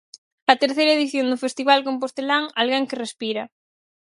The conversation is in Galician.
A terceira edición do festival compostelán Alguén que respira!